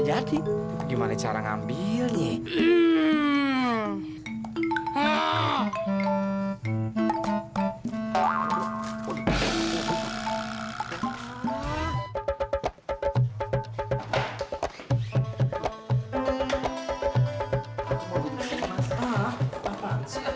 jadi gimana cara ngambilnya